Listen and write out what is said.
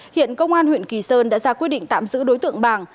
hiện công an huyện kỳ sơn đã ra quyết định tạm giữ đối tượng bàng